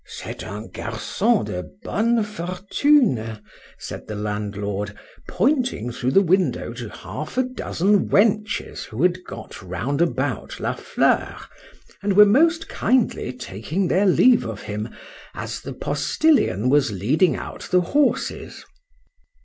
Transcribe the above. C'est un garcon de bonne fortune, said the landlord, pointing through the window to half a dozen wenches who had got round about La Fleur, and were most kindly taking their leave of him, as the postilion was leading out the horses.